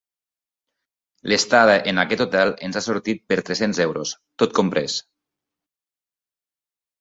L'estada en aquest hotel ens ha sortit per tres-cents euros, tot comprès.